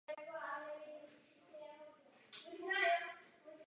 Budoucnost je součástí naplňování obsahu této iniciativy.